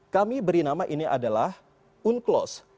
kami beri nama ini adalah unclos